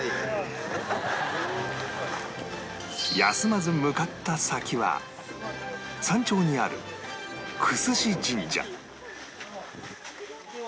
休まず向かった先は山頂にある久須志神社